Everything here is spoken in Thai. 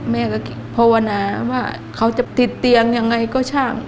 แม่ก็ภาวนาว่าเขาจะติดเตียงยังไงก็ช่าง